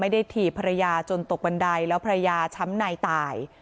ถีบภรรยาจนตกบันไดแล้วภรรยาช้ำในตาย